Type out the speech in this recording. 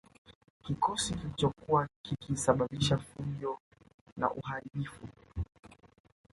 Kikosi kilichokuwa kikisababisha fujo na uharibifu